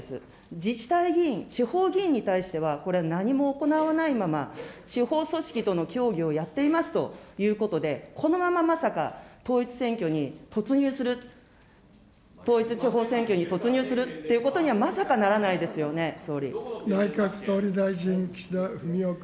自治体議員、地方議員に対しては、これは何も行わないまま、地方組織との協議をやっていますということで、このまままさか統一選挙に突入する、統一地方選挙に突入するということには、まさかならないですよね、内閣総理大臣、岸田文雄君。